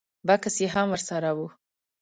بکس یې هم ور سره و.